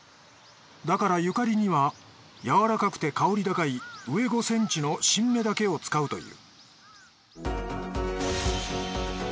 だからゆかりにはやわらかくて香り高い上５センチの新芽だけを使うという。